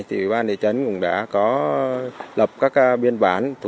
thì ban địa chấn cũng đã có lập các biên bản